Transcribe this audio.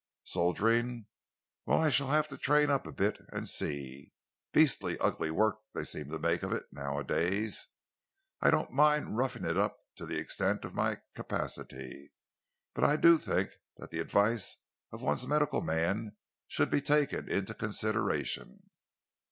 "Soldiering? Well, I shall have to train up a bit and see. Beastly ugly work they seem to make of it, nowadays. I don't mind roughing it up to the extent of my capacity, but I do think that the advice of one's medical man should be taken into consideration."